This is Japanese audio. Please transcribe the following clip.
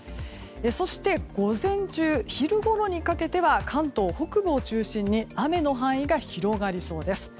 そして、午前中昼ごろにかけては関東北部を中心に雨の範囲が広がりそうです。